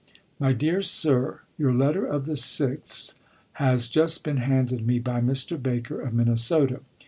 My Dear Sir : Your letter of the 6th has just been handed me by Mr. Baker, of Minnesota.